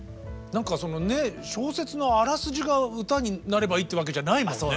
何かそのね小説のあらすじが歌になればいいってわけじゃないもんね。